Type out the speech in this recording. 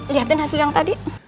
lihatin hasil yang tadi